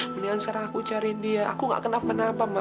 jangan serang aku cari dia aku tidak akan kenapa napa ma